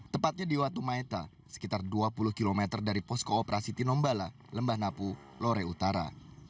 tepatnya di watumaita sekitar dua puluh km dari posko operasi tinombala lembah napu lore utara